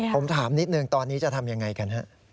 ผมถามนิดนึงตอนนี้จะทำยังไงกันฮะ